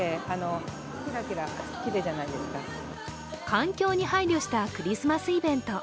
環境に配慮したクリスマスイベント。